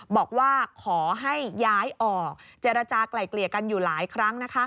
บอกว่าขอให้ย้ายออกเจรจากลายเกลี่ยกันอยู่หลายครั้ง